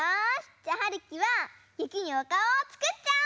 じゃあはるきはゆきにおかおをつくっちゃおう！